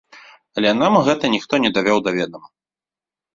Але нам гэта ніхто не давёў да ведама.